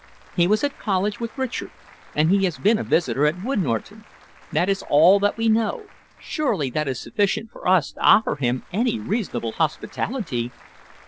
He was at college with Richard, and he has been a visitor at Wood Norton. That is all that we know. Surely it is sufficient for us to offer him any reasonable hospitality?"